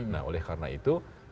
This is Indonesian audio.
nah oleh karena itu